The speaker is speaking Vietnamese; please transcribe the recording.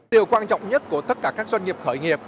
điều quan trọng nhất của tất cả các doanh nghiệp khởi nghiệp